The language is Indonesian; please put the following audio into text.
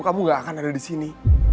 kamu gak akan ada disini